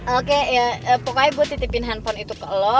oke ya pokoknya gue titipin handphone itu ke lo